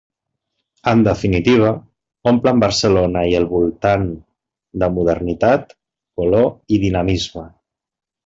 En definitiva, omplen Barcelona i el voltant de modernitat, color i dinamisme.